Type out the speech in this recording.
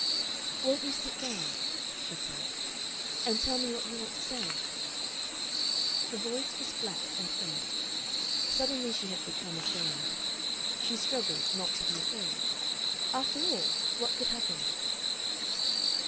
"Won't you sit down," she said, "and tell me what you want to say?" Her voice was flat and faint. Suddenly she had become afraid. She struggled not to be afraid. After all, what could happen?